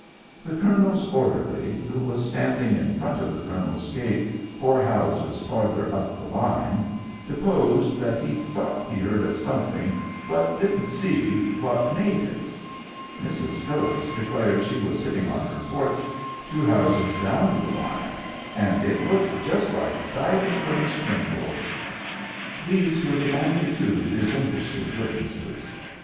The colonel's orderly, who was standing in front of the colonel's gate four houses farther up the line, deposed that he "thought he heard a something but didn't see what made it/' Mrs. Phillips declared she was sitting on her porch two houses down the line, and "it looked just like diving from a spring board." These were the only two disinterested witnesses.